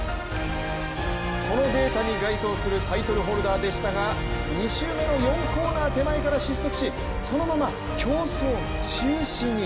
このデータに該当するタイトルホルダーでしたが２周目の４コーナー手前から失速し、そのまま競走中止に。